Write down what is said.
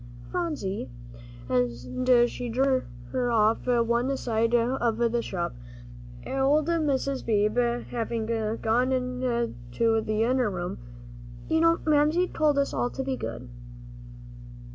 Phronsie," and she drew her off one side of the shop, old Mrs. Beebe having gone into the inner room, "you know Mamsie told us all to be good."